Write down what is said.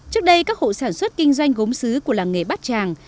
trước đây các hộ sản xuất kinh doanh gốm xứ của làng nghề bát tràng